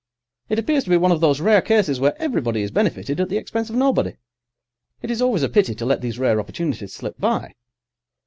It appears to be one of those rare cases where everybody is benefited at the expense of nobody. It is always a pity to let these rare opportunities slip by."